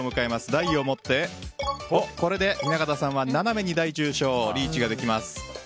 大を持って、雛形さんは斜めに大・中・小リーチができます。